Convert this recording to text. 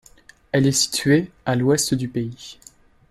Elle est située à l'ouest du pays.